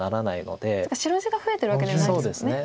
白地が増えてるわけではないですもんね。